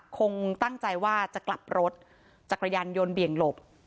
คงตั้งใจว่าจะกลับรถจักรยานยนต์เบี่ยงหลบ